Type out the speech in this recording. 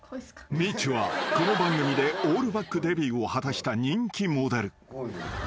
［みちゅはこの番組でオールバックデビューを果たした人気モデル］